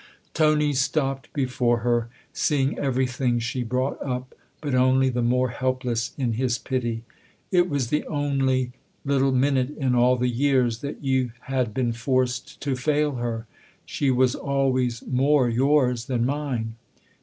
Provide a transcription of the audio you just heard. Tony stopped before her, seeing everything she brought up, but only the more helpless in his pity. " It was the only little minute in all the years that you had been forced to fail her. She was always more yours than mine."